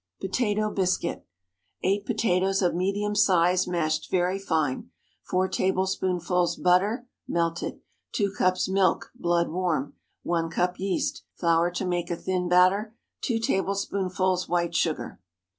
POTATO BISCUIT. 8 potatoes of medium size, mashed very fine. 4 tablespoonfuls butter, melted. 2 cups milk, blood warm. 1 cup yeast. Flour to make a thin batter. 2 tablespoonfuls white sugar.